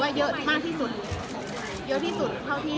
เยอะที่สุดเท่าที่